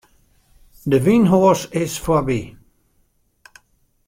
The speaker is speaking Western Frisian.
De wynhoas is foarby.